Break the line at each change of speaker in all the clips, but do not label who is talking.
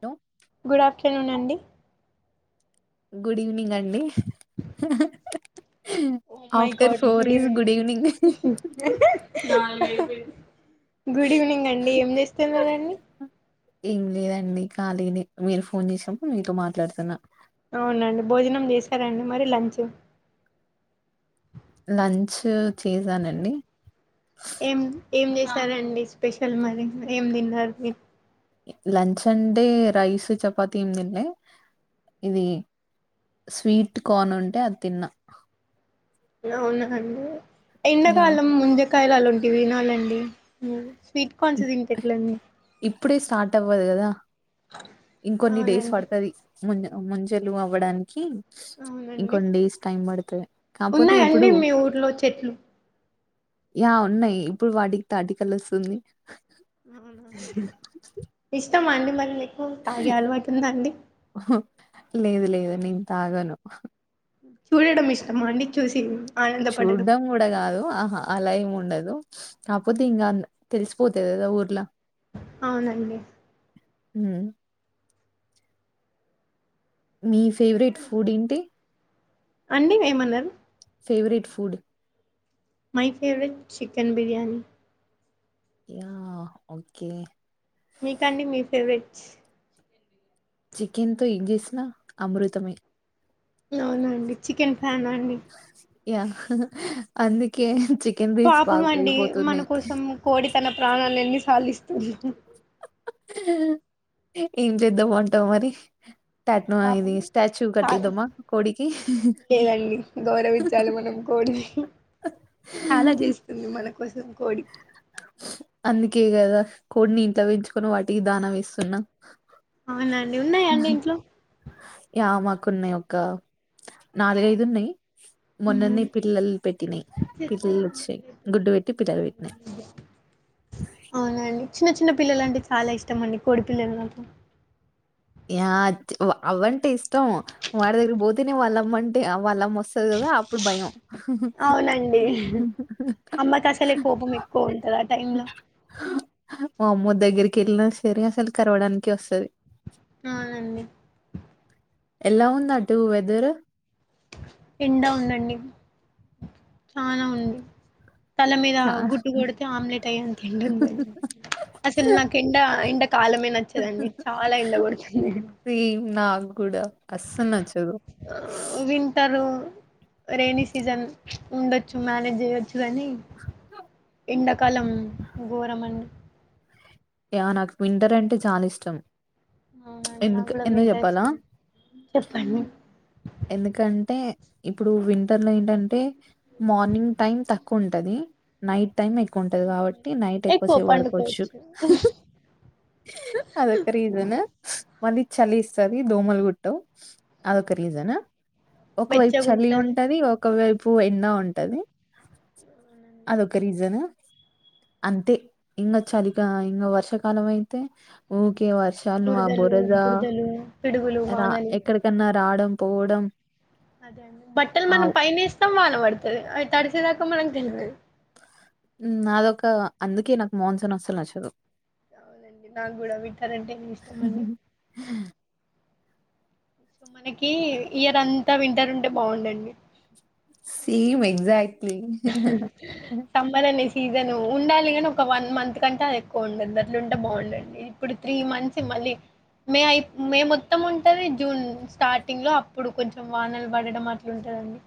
To
good afternoon అండి
good evening అండి
oh my
after
God
four is good evening
good evening అండి ఏం చేస్తున్నండి
ఏం లేదండి కాలినే మీరు ఫోన్ చేసినప్పుడు మీతో మాట్లాడుతున్నా
అవునండి భోజనం చేశారండి మరి లంచ్
లంచ్ చేసానండి
సరేండి స్పెషల్ మరి ఏం తిన్నారు మీరు
లంచ్ అంటే రైస్ చపాతీ నిల్ ఇది స్వీట్ కార్న్ ఉంటే అది తిన్న
అవునా అండి
యా
ఎండాకాలం ముంజకాయలు అలాంటివి వినాలండి
ఇప్పుడే స్టార్ట్ అవ్వదు కదా ఇంకొన్ని డేస్
అవునండి
పడుతది ముం ముంజలు అవ్వడానికి
అవునండి
ఇంకొన్ని డేస్ టైం పడుతుంది కాకపోతే
ఉన్నాయండి
ఇప్పుడు
మీ ఊర్లో చెట్లు
ఆ ఉన్నాయి ఇప్పుడు వాటికి తాటికల్ వస్తుంది
అవును ఇష్టమా అండి మరి మీకు తాగే అలవాటు ఉందా అండి
లేదు లేదు నేను తాగను
చూడడం ఇష్టమ అండి చూసి ఆనందపడడం
చూడ్డం కూడా కాదు ఆహా అలా ఏమి ఉండదు కాకపోతే ఇంకా తెలిసిపోతుది కదా ఊర్లా
అవునండి
హ మీ ఫేవరెట్ ఫుడ్ ఏంటి
అండి ఏమన్నారు
favourite food
my favourite chicken biryani
yeah okay
మీకండి మీ ఫేవరెట్స్
చికెన్ తో ఎం చేసినా అమృతమే
అవునా అండి చికెన్ ప్యాన్నా అండి
యా అందుకే చికెన్ రేట్స్
పాపం
బాగా
అండి మన
పెరిగిపోతున్నాయి.
కోసం కోడి తన ప్రాణాల ఎన్ని సార్లులిస్తుందో
ఏం చేద్దామంటావ్ మరి ట్యాట్ను
పాపం
ఇది స్టాచ్యూ
చాలా
కట్టద్దమ్మా కోడికి
కోడి చాలా చేస్తుంది మన కోసం కోడి
అందుకే కదా కోడిని ఇంట్లో పెంచుకొని వాటికి దానం వేస్తున్నా
అవునండి ఉన్నాయాండి ఇంట్లో
యా మాకున్నాయి ఒక నాలుగఐదు ఉన్నాయి మొన్నన్న పిల్లలు పెట్టినాయి పిల్లలు వచ్చాయి గుడ్డు పెట్టి పిల్లలు పెట్టినాయి
అవునండి చిన్న చిన్న పిల్లల అంటే చాలా ఇష్టం అండి కోడి పిల్లలు మాత్రం
ఆ అవ్వంటే ఇష్టం వాడి దగ్గర పోతేనే వాళ్ళమ్మంటే వాళ్ళమ్మ వస్తుంది అప్పుడు భయం
అవునండి అమ్మకి అసలే కోపం ఎక్కువ ఉంటది ఆ టైం లో
మా అమ్మ దగ్గరికి వెళ్ళినా సరే అసలు కరవడానికి వస్తుది
అవునండి
ఎలా ఉంది అటు వెదర్
ఎండా ఉందండి చాలా ఉంది తల మీీద
చా
గుట్టు కొడితే ఆమ్లెట్ అయ్యంత ఎండ ఉందండి అసలు నాకు ఎండ ఎండ కాలమే నచ్చదండి చాలా ఎండ పడుతుంది నేను
సేమ్ నాకు కూడా అస్స నచ్చదు
రెయిని సీజన్ ఉండొచ్చు మేనేేజ్ చేయొచ్చు కాని ఎండాకాలం ఘోరంం
యా నాకు వింటర్ అంటే చాలా ఇష్టం
అవునండి నాకు
ఎందుకు
కూడా
ఎందుకు
వింటర్
చెప్పాలా
ఇష్టం చెప్పండి
ఎందుకంటే ఇప్పుడు వింటర్ లో ఏంటంటే మార్నింగ్ టైం తక్కువ ఉంటది నైట్ టైం ఎక్కువ ఉంటది కాబట్టి నైట్
ఎక్కువ
ఎక్కువసేపు పడుకోవచ్చు
పండుకోవచ్చు
అదక ర ఇదనా మళ్ళీ చలి ఇస్తుది దోమలు గుట్ట అదొక రీజనా ఒకవైపు చలి
వెచ్చగుంటది
ఉంటది ఒకవైపు ఎండ ఉంటది అదొక రీజన్ అంతే ఇంక చలి గా ఇంకా వర్షాకాలం అయితే ఊకె ఒకే వర్షాలను ఆ
బురదలు
బురద
బురదలు పిడుగులు
రా
వానలు
ఎక్కడికన్నా రావడం పోవడం
అదే అండి బట్టలు
ఆ
మనం పైన వేస్తాం వాన పడుతది అవి తడిసేదాకా మనకు తెలియదు
నాదొక అందుకే నాకు మోన్సన్ వస్తుంది నచ్చదు
అవునండి నాకు కూడా విక్కారంటే ఏమి ఇష్టం అని మనకి ఇయర్ అంతా వింటర్ ఉంటే బాగుందండి
టీం ఎగ్జాయిట్
సమ్బనన్ని సీజన్ ఉండాలి నీ ఒక వన్ మంత్ కంటే అది ఎక్కువ ఉండదు అట్లు ఉంటే బాగుండండి ఇప్పుడు త్రీ మంత్స్ అలి మే ఐ మే మొత్తం ఉంటది. జూన్ స్టార్టింగ్ లో అప్పుడు కొంచెం వానలు పడడం అట్లుంట. దండి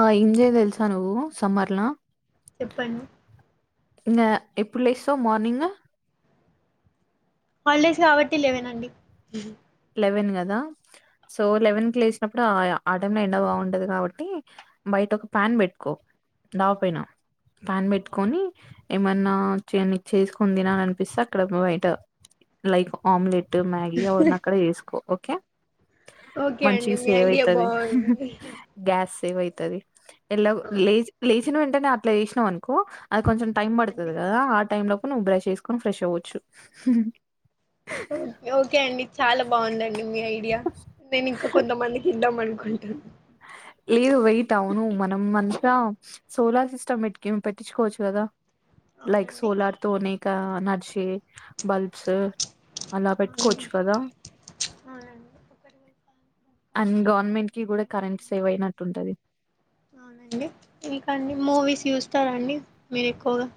ఆ ఇంజయ్ తెలుసా నువ్వు సమ్మర్లా
చెప్పండి
ఇంగ ఎప్పుడు లెస్సవ్ మార్నింగ్
హాలిడేస్ కాబట్టి లెవెన్ అండి
లెవెన్ కదా సో లెవెన్ కి లేచినప్పుడు ఆ టైమ్ లో ఎండా బాగుంటది కాబట్టి బయట ఒక ప్యాన్ పెట్టుకో, డాబపైన ప్యాన్ పెట్టుకొని ఏమన్నా చే నీకు చేసుకొని తినాల అనిపిస్తే అక్కడ బయట లైక్ ఆమ్లెట్ మ్యాగీ అవన్నీ అక్కడ వేసుకో ఓకే
ఓకే
మంచిగ
అండి మీ
సేవ్
ఐడియా
అయితది
బాగుంది
గ్యాస్ సేవుతది ఎలాగో లేచి లేచిన వెంటనే అట్లా చేసినావ్ అనుకో అది కొంచెం టైం పడుతది
అవునండి
కదా ఆ టై లోపు నువ్వు బ్రెష్ చేసుకొని ఫ్రెష్ అవ్వొచ్చు
ఓకే అండి చాలా బాగుందండి మీ ఐడియా నేను ఇంకా కొంతమందికి ఇద్దాం అను కుంటాన్
లేదు వెయిట్ అవును మనం మంచిగా సోలార్ సిస్టమ్ మట్కేమి పెట్టిచ్చుకోవచ్చు కదా. లైక్
అవునండి
సోలార్ తో అనేక ఎనర్జీ బల్బ్స్ అలా
అవును
పెట్టుకోవచ్చు కదా
అవునండి
అండ్ గవర్నమెంట్ కి కూడా కరెంట్స్
అవునండి ఇంకా అండి మూవీస్ చూస్ తారా అండి మీరు ఎక్కువగా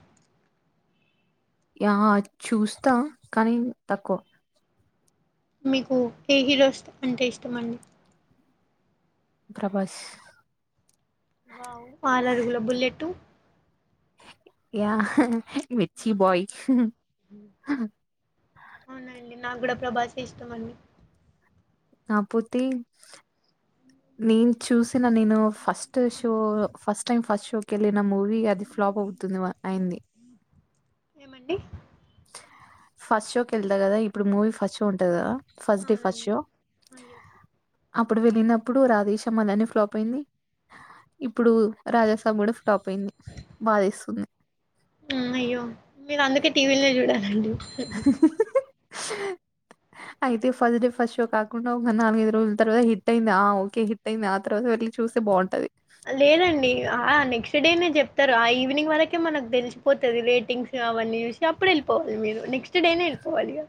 యా చూస్తా కానీ తక్కువ
మీకు ఏ హీరోస్ అంటే ఇష్టమండి
ప్రభాస్
వావ్ ఆరు అడుగుల బుల్లెట్టు
యా మిర్చీ బాయ్
అవునండి నాక్కూడా ప్రభాసే ఇష్టమండి
కాపోతే నేన్ చూసిన నేను first show, first time first షోకి వెళ్ళిన మూవీ అది ఫ్లాప్ అవుతుంది వా. అయింది
ఏమండి
ఫస్ట్ షోకి వెళ్తా కదా, ఇప్పుడు మూవీ ఫస్ట్ షో ఉంటది కదా. ఫస్ట్ డే ఫస్ట్
అవునండి
షో
అయ్యో
అప్పుడు వెళ్ళినప్పుడు రాధే శ్యామ్ అలానే ఫ్లాప్ అయింది ఇప్పుడు రాజ సా సాబ్ కూడా ఫ్లాప్ అయింది బాధేస్తుంది
అయ్యో మీరు అందుకే టీవీలే చూడాల
అయితే ఫస్ట్ డే ఫస్ట్ షో కాకుండా ఒక నాలుగైదు రోజుల తర్త హిట్ అయింది, ఆ ఓకే హిట్ అయింది ఆ తర్వాత వెళ్. చూస్తే బాగుంటది
లేదండి ఆ నెక్స్ట్ డే నే చెప్తరు, ఆ ఈవినింగ్ వరకే మనకు తెలిసిపోతది రేటింగ్స్. గా వన్నీ చూసి అప్పుడు వెళ్ళిపోవాలి మీరు నెక్స్ట్ డే నే వెళ్ళి పోవాలి గా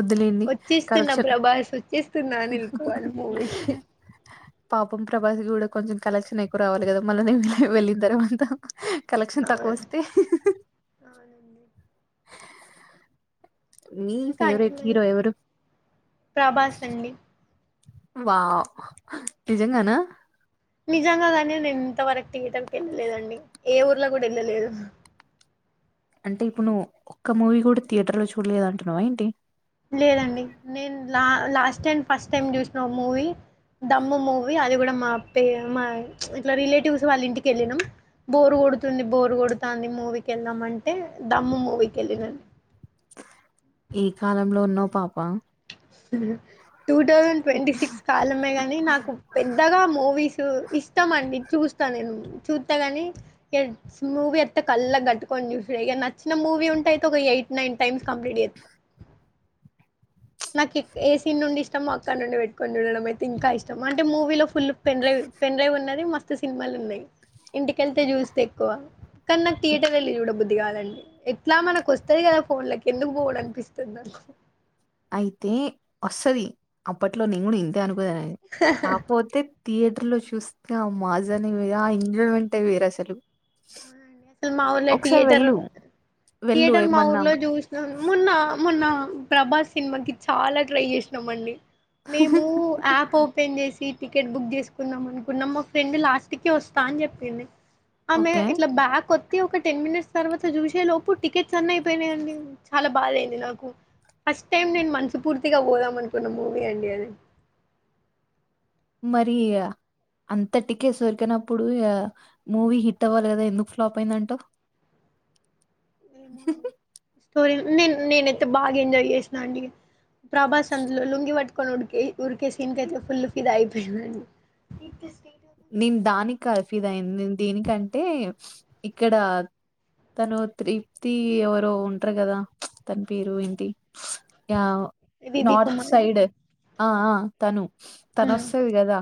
వద్దులేండి
వచ్చేస్తున్నా
కరెక్షన్
ప్రభాస్, వచ్చేస్తున్నా అని వెళ్ళిపోవాలి మూవీ కి
పాపం ప్రభాస్ కూడా కొంచెం కలెక్షన్ ఎక్కువ రావాలి కదా మళ్ళ నేను వెళ్ళిన తర్వాత కలెక్షన్ తక్కువ
అవును
వస్తే
అవునండి
మీ
ఇంకా అండి
ఫేవరెట్
మరి
హీరో ఎవరు
ప్రభాస్ అండి
వావ్ నిజంగానా
నిజంగా కాని నేను ఇంత వరకు థియేటర్ కి వెళ్ళలేదండి ఏ ఊర్లో కూడా వెళ్ళలేదు
అంటే ఇప్పుడు నువ్వు ఒక్క మూవీ కూడా థియేటర్ లో చూడలేదు అంటున్నావా ఏంటి
లేదండి నేను లా లాస్ట్ టైం ఫస్ట్ టైం చూసినఓ మూవీ దమ్ము మూవీ అది కూడా మా అే మా ఇట్లా రిలేటివ్స్ వాళ్ళ ఇంటికి వెళ్ళాం బోరుగు కొడుతుంది బోర్ కొడుతాంది మూవీకి వెళ్దాం అంటే దమ్ము మూవీకి వెళ్ళినండి
ఈ కాలంలో ఉన్నావు పాప
టూ థౌజండ్ ట్వంటీ సిక్స్ కాలమే కాగాని నాకు పెద్దగా మూవీస్ ఇస్తామండి చూస్తా నేను చూస్తా గాని ఇక మూవీ అత్త కళ్ళ కట్టుకొని చూస ఇక నచ్చిన మూవీ ఉంటే అయితే ఒక ఎయిట్ నైన్ టైమ్స్ కంప్లీట్ ఎ నాకు ఏ సీన్ నుండి ఇష్టమో అక్కడ నుండి పెట్టుకొని ఉండడం అయితే ఇంకా ఇష్టం అంటే మూవీలో ఫుల్ పెన్డ్రైవ్ పెన్డ్రైవ్ ఉన్నది మస్తు సినిమాలు ఉన్నాయి ఇంటికెళ్తే చూస్తే ఎక్కువ కానీ నాకు థియేటర్ వెళ్ళీ చూడబుద్దు దిగాలండి ఎట్లా మనకు వస్తుంది కదా ఫోన్లకి ఎందుకు పోడం అనిపిస్తుంది నాకు
అయితే వస్తంది అప్పట్లో ని కూడా ఇ అనుకోనెదని కాకపోతే తీయి తుర్లో చూస్తే ఆ మోజానే వే ఆ ఎంజొయ్మెంత్ వెంటే వేర్ అసలు
సల్ మా ఊర్లో
ఒకసారి
టియేటరు
వెళ్ళు వెళ్ళు
టియేటర్ మా
ఏమన్నా
ఊర్లో జూసినాను మొన్నా మొన్నా ప్రభాస్ సినిమాకి చాలా ట్రై జేసినామండి మేమూ యాప్ ఓపెన్ జేసి టికెట్ బుగ్ జేసుకుందాం అనుకున్నం మా ఫ్రెండ్ లాస్ట్ కే వస్తా అని జెప్పింది అమె
ఓకే.
ఇట్ల బ్యాక్ తి ఒక టెన్ మినిట్స్ తర్వాత జూసే లోపు టికెట్స్ అన్ని అయిపోయినయండి చాల భాదైంది నాకు ఫస్ట్ టైం నేను మనసు పూర్తిగా బోదాం అనుకున్న మూవీ అండీ అది
మరీ య అంతటికే సొర్కేనప్పుడు య మూవీ హిట్ అవ్వాలి కదా ఎందుకు ఫ్లాప్ అయ్యిందంటవ్ [unintelligible]
నేన్ నేనైతే బాగా ఎంజాయ్ జేసినా అండీ ప్రభాస్ అందులో లుంగి పట్టు [unintelligible] డుకే ఉరికే సీన్ కయితే ఫుల్ ఫిదా అయిపోయిందండి
నేన్ దానిక్కాద్ ఫిదా అయింది నేన్ దేనికంటే ఇక్కడ తనూ త్రిప్తీ ఎవరో ఉంటరు గదా తన పేరు ఏంటి యావ్
ఇది
నార్త్
కుమార్
సైడ్ అ ఆ తను తన
హ్మ్
ఒస్తది గదా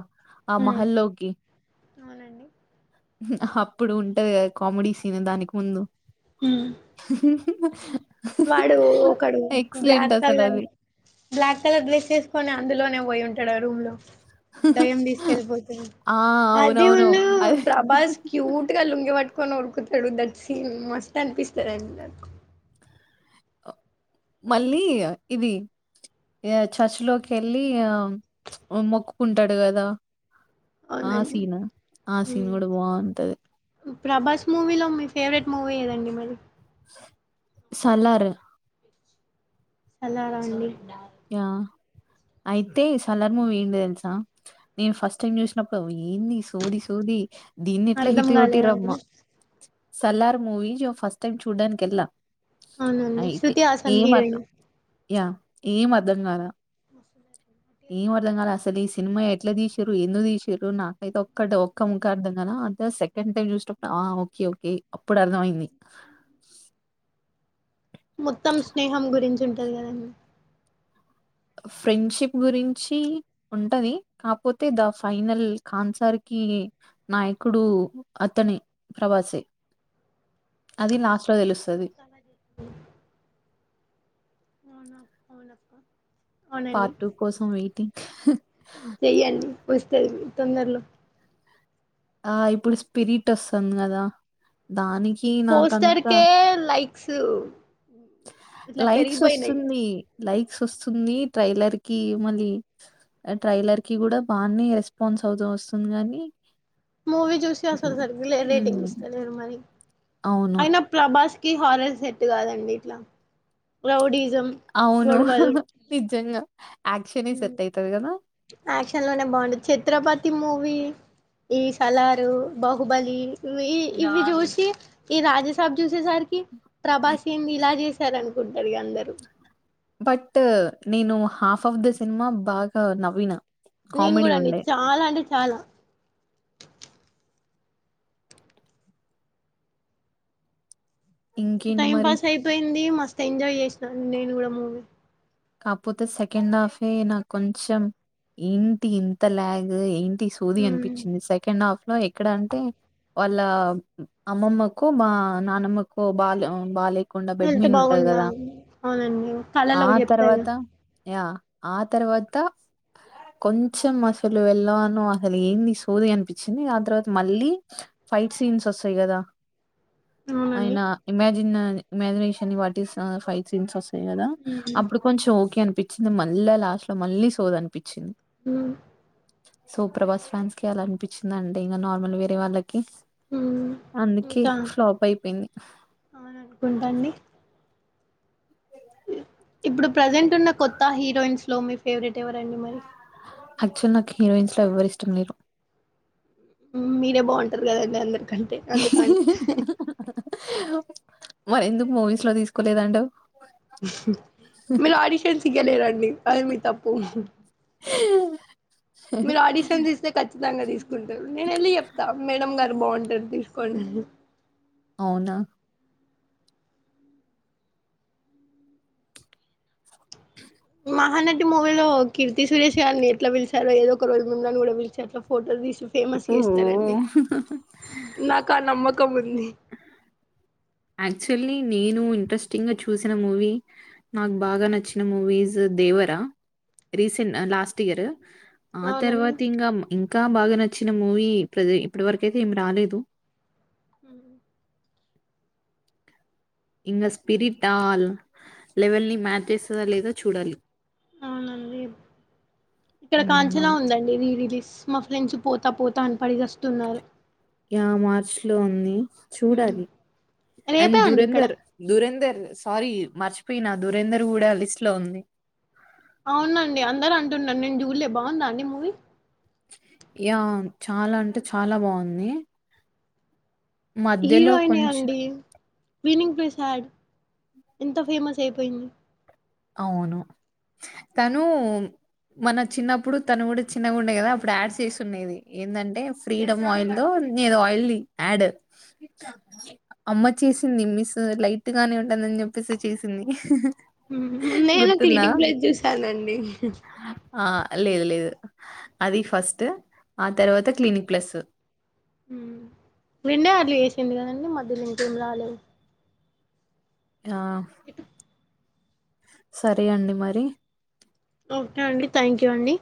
ఆ
హ్మ్
మహల్లోకి
అవునండి
ఉహ్ హప్పుడు ఉంటది గదా కామెడీ సీన్ దానికి ముందు
ఉ
హే
వాడూ ఒకడు బ్లాక్ కలర్
అసలది.
బ్లాక్ కలర్ డ్రెస్ ఏసుకొని అందులోనే పోయే ఉంటాడ రూమ్ లో దయ్యం దీసుకెల్పోతుంది
ఆ!
అది
అవునవును.
ఉన్నూ
అది
ప్రభాస్ క్యూట్ గా లుంగి వట్ కొను ఉడుకుతడూ దట్ సీన్ మస్త్ అనిపిస్తడండి నాకు
మళ్ళీ అ ఇదీ యా చర్చలోకెళ్ళి ఆ మొక్కుకుంటాడు గదా
అవునండి
ఆసీనా ఆసీన్
హ్మ్.
గుడ బోంటది
ప్రభాస్ మూవీలో మీ ఫేవరెట్ మూవీ ఏదండి మరీ
సలార్
సలారా అండి
యా అయితే సల్లార్ మూవీ ఏం తెలుసా నేను ఫస్ట్ టైమ్ జూసినప్పుడోయ్ ఏంది ఈ సోది సోది దీన్ని ఎట్లా
అర్ధం
హిట్ కొట్టిరమ్మ
కాలేదండి
సల్లార్ మూవీ జో ఫస్ట్ టైమ్ చూడ్డానికెళ్ళ
అవునండి
అయితే
శృతి హాసన్
ఎం అత్
హీరోయిన్
ఏం అర్ధంగాల
[inaudible]
ఏం అర్ధంగాల అసలు, ఈ సినిమా ఎట్ల దీసిరు, ఎందుకు దీసిరు, నాకైతే ఒక్కటి ఒక్క ముక్క అర్ధంగాల. అంతా సెకండ్ టైమ్ చూసినపుడు, ఆ ఓకె ఓకె అప్పుడు అర్థం అయింది.
మొత్తం స్నేహం గురించి ఉంటదిగదండి!
ఫ్రెండ్షిప్ గురించి ఉంటదీ, కాపోతే ద ఫైనల్ కాన్సర్ కీ నాయకుడు అతనే ప్రభాసే. అది లాస్ట్ లో తెలుస్తది.
అవునా అ అవునక్క. అవునండి
పార్ట్ టూ కోసం వెయిటింగ్.
వస్తేయి ఇవి తొందర్లో.
ఆ ఇప్పుడు స్పిరిట్ వస్తాంది గదా, దానిక్
పోస్టర్కే, లైక్సూ
లైక్స్ వస్తుందీ. లై స్ వస్తుంది ట్రైలర్ కి మళ్ళీ, ట్రైలర్ కి కూడ బానే రెస్పాన్స్ అవుతా వస్తుంది గాని,
మూవీ చూసి అసలు సరిగ్గ లే రేటింగ్
హ్మ్.
ఇస్తలేరు మరి.
అవును.
అయినా ప్లభాస్ కి హారర్ సెట్ కాదండి ఇట్ల. రౌడీ
అవును నిజంగా. యాక్షనే
మ్
సెట్ అయితది గదా!
యాక్షన్ లోనే బాగుంటది. ఛత్రపతి మూవీ ఈ సలారు, బాహుబలి, ఈ ఇవి చూసి ఈ రాజసభ చూసేసరికి ప్రభాస్ ఏంది ఇలా చేశార అనుకున్
బట్ నేను హాఫ్ ఆఫ్ ద సినిమా బాగ నవ్వినా.
నేను కూడా అండి చాల అంటే చాలా.
ఇంకేంటి
టైం
మరి?
పాస్ అయిపోయింది మస్తు ఎంజాయ్ చేసినాను నేను కూడా మూవి.
కాకపోతే, సెకండ్ హాఫే నాకు కొంచెం ఏంటి ఇంత లాగ్ ఏం టి ఈ సోది అనిపించింది. సెకండ్ హాఫ్ లో ఎక్కడ అంటే, వాళ్ళ అమ్మమ్మకొ బా నానమ్మకో బాల బాలే బెడ్
హెల్త్
మీదుంటది
బాగుండా
గదా!
అవునండి. కళలో
ఆ
చెప్
తర్వాత య. ఆ తర్వాత, కొంచెం అసలు వెళ్ళమనో అసలు ఏంది సోది అనిపించింది. ఆ తర్వాత మళ్ళీ ఫై ఫైట్ సీన్స్ వస్తాయి కదా!
అవునండి
ఆయన ఇమాజిన్ ఇమాజినేషన్ బట్టి ఫైవ్ సీన్స్ వస్ తన్నాయి కదా! కొంచెం ఓకె అనిపిచ్చింది. మళ్ళ లాస్ట్ లో మళ్ళీ సోది అనిపిచ్చింది.
మ్
సో ప్రభాస్ ఫ్యాన్స్ కి అలా అనిపించిందంటె, ఇంక నార్మల్ వేరే వాళ్ళకి కి
మ్మ్
అందుకే
ఇంకా
ఫ్లాప్ అయిపోయింది.
అవును అనుకుంటాండి ఇప్పుడు ప్రజెంట్ ఉన్న కొత్త హీరోయిన్స్ లో మీ ఫేవరెట్ ఎవరండి మరి?
యాక్టువల్ నాకు హీరోయిన్స్ లో ఎవర్ ఇష్టం లేదు.
మ్ మీరే బాగుంటారు కదండి. అందరికంటే, అందుకని
మరి ఎందుకు మూవీస్ లో తీసుకోలేదంటావ్?
మీరు ఆడిషన్స్ ఈయలేదండి అది మీ తప్పు.
ఆ
మీరు ఆడిషన్స్ ఇస్తే, ఖచ్చితంగా తీసుకుంటారు. నేను వెళ్ళి చెప్తా. మేడమ్ గా రు బాగుంటారు తీసుకోండి అని.
అవునా!
మహానటి మూవీలో కీర్తి సురేష్ గారిని, ఎట్ల పిలిచారో ఏదో ఒక రోజు మిమల్ని కూడ పిలిచి అట్ల ఫోటో తీస్ ఫేమస్ చేస్తారండి.
ఓహ్!
నాకు ఆ నమ్మ కం ఉంది.
క్చువల్లీ నేను ఇంట్రెస్టింగ్గా చూసిన మూవీ నాకు బాగా నచ్చిన movies Devara recent last year ఆ
అవునండి
తర్వాత ఇంకా ఇంకా బాగా నచ్చ నచ్చిన మూవీ ఇప్ అది ఇప్పటి వరకు అయితే ఏమి రాలేదు.
ఆ
ఇంకా స్పిరిట్ ఆల్ లెవెల్ ని మ్యాచ్ చేస్తుదా లేదా చూడాలి?
అవునండి ఇక్కడ
హ్మ్.
కాంచనా
అవును.
ఉందండి రీరిలీస్ మా ఫ్రెండ్స్ పోతా పోతా అని పడిగస్తున్నారు.
యా మార్చ్ లో ఉంది.
హ్మ్.
చూడాలి అండ్
రేపే అండి ఇక్కడ
దురంధర్ దురంధర్ సారీ మర్చిపోయినా దూరంధర్ కూడా లిస్ట్ లో ఉంది.
అవునండి అందరూ అంటున్నారు నేను జూడ్లే బాగుంద అండి మూవీ.
యా చాలా అంటే చాలా బాగుంది.
హీరోయినే అండి ఫీనింగ్ ఫే సాడ్ ఎంత ఫేమస్ అయిపోయింది.
అవును తను మన చిన్నప్పుడు తను కూడా చిన్నగా ఉండే కదా అప్పుడు యాడ్స్ చేస్సుండేది ఏందంటే ఫ్రీడమ్ ఆయిల్ లో ఏదో ఆయిల్ది ఆడ్ అమ్మ చేసింది మిస్ లైట్ గానే ఉందనని చెప్పేసి చేసింది.
ఉమ్ నేను
గుర్తుందా?
క్లీనిక్ బ్లెజ్ జూసానండి.
ఆ! లేదు లేదు అది ఫస్ట్ ఆ తర్వాత క్లీనిక్ ప్లస్
ఉమ్ వెండే అట్లు చేసింది కదండి మధ్యలో ఇంకేం రాలేదు.
ఆ సరే అండి మరి.
ఓకే అండి థ్యాంక్యూ అండి.